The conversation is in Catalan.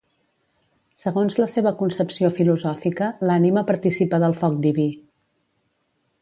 Segons la seva concepció filosòfica, l'ànima participa del foc diví